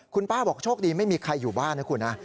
คุณป้าบอกโชคดีไม่มีใครอยู่บ้านนะคุณนะ